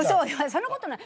そんなことない！